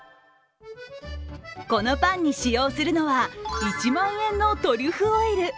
このパンに使用するのは１万円のトリュフオイル。